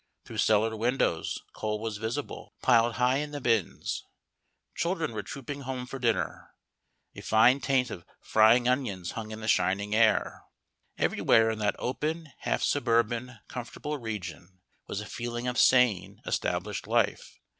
Through cellar windows coal was visible, piled high in the bins; children were trooping home for dinner; a fine taint of frying onions hung in the shining air. Everywhere in that open, half suburban, comfortable region was a feeling of sane, established life.